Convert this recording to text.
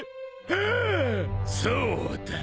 ああそうだ。